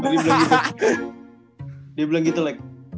dia bilang gitu leg